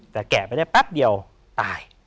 แต่แกะไปได้แป๊บเดียวตาย